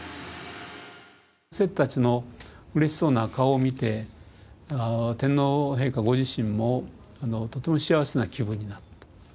生徒たちのうれしそうな顔を見て天皇陛下ご自身もとても幸せそうな気分になった。